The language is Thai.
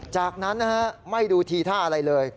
จากนั้นนะฮะไม่ดูทีท่าอะไรเลย